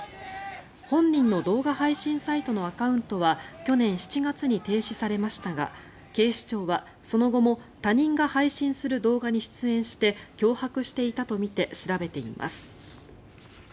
本人の動画配信サイトのアカウントは去年７月に停止されましたが警視庁はその後も他人が配信する動画に出演して脅迫していたとみて調べています。